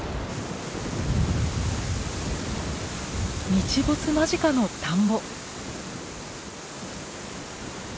日没間近の田んぼ。